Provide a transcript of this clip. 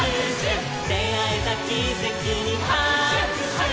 「であえたキセキにはくしゅ」「」